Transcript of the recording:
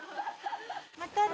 またね。